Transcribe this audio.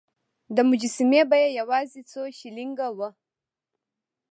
د مجسمې بیه یوازې څو شیلینګه وه.